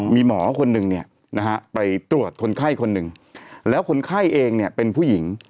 มีหมอคนหนึ่งเนี่ยนะฮะไปตรวจคนไข้คนหนึ่งแล้วคนไข้เองเนี่ยเป็นผู้หญิง